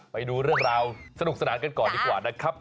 ไปดูเรื่องราวสนุกสนานกันก่อนดีกว่านะครับ